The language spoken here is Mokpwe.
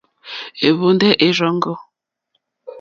Ɛ́hwɔ̀ndɛ́ ɛ́ rzɔ́ŋɡɔ̂.